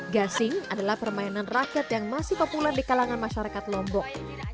gasing adalah permainan rakyat yang masih populer di kalangan masyarakat lombok